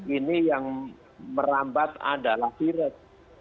ini yang merambat adalah virus